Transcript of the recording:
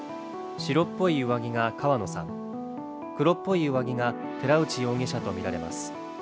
白っぽい上着が川野さん、黒っぽい上着が寺内容疑者とみられます。